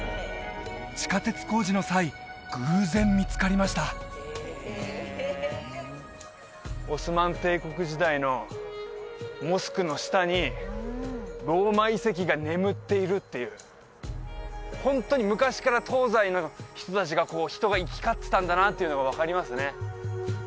地下鉄工事の際偶然見つかりましたオスマン帝国時代のモスクの下にローマ遺跡が眠っているっていうホントに昔から東西の人達がこう人が行き交ってたんだなっていうのが分かりますね